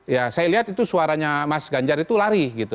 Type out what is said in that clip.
ya saya lihat itu suaranya mas ganjar itu lari gitu